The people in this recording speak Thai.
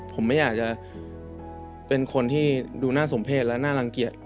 ผมไม่อยากจะเป็นคนที่ดูน่าสมเพศและน่ารังเกียจ